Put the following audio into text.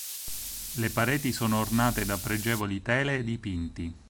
Le pareti sono ornate da pregevoli tele e dipinti.